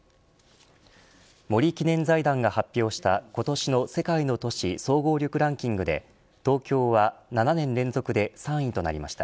森記念財団が発表した今年の世界の都市総合力ランキングで東京は７年連続で３位となりました。